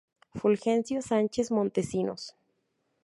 Fulgencio Sánchez Montesinos.